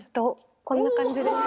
こんな感じです